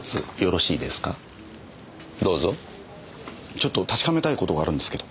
ちょっと確かめたい事があるんですけど。